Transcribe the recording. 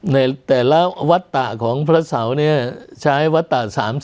ในแต่ละวัตตะของพระเสาเนี่ยใช้วัตตะ๓๐